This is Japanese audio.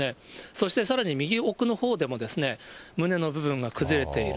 そしてさらに右奥のほうでも、棟の部分が崩れている。